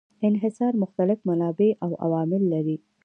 انحصار مختلف منابع او عوامل لري.